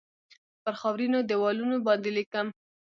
پر خاورینو دیوالونو باندې لیکم